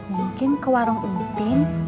mungkin ke warung umpin